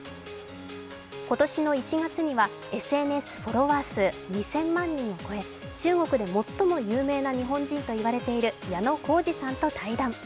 今年の１月にはＳＮＳフォロワー数２０００万人を超え中国で最も有名な日本人と言われている矢野浩二さんと対談。